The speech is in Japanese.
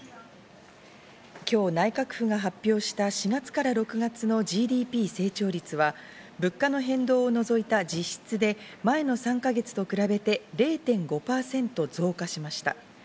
今日、内閣府が発表した４月から６月のＧＤＰ成長率は、物価の変動を除いた実質で前の３か月と比べて０．５％増加しました。